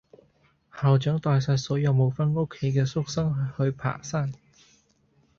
校長帶晒所有無返屋企嘅宿生去爬山